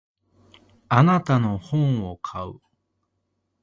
あなたの本を買う。